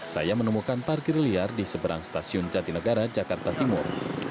saya menemukan parkir liar di seberang stasiun jatinegara jakarta timur